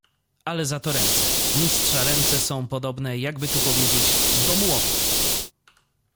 "Ale zato ręce... Mistrza ręce są podobne, jakby tu powiedzieć, do młotów."